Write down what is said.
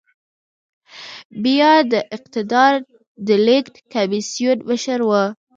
بيا د اقتدار د لېږد کميسيون مشر و.